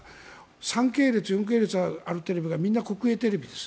３系列、４系列あるテレビがみんな国営テレビです。